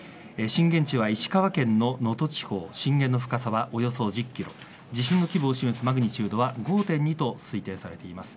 震源地は石川県の能登地方震源の深さはおよそ１０ｋｍ地震の規模を示すマグニチュードは５．２と推定されています。